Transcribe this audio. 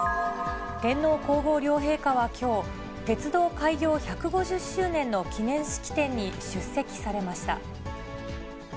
天皇皇后両陛下はきょう、鉄道開業１５０周年の記念式典に出席されました。